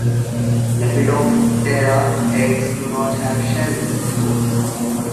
Lepidoptera eggs do not have shells, though.